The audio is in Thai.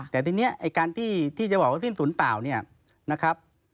แต่ทีนี้ไอ้การที่จะบอกว่าสิ้นสุดเปล่าเนี่ยนะครับ